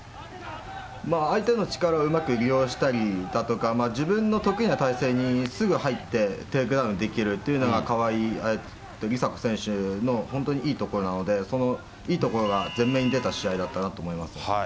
相手の力をうまく利用したりだとか、自分の得意な体勢にすぐ入って、テイクダウンできるというのが、川井梨紗子選手の本当にいいところなので、そのいいところが前面に出た試合だったなと思います。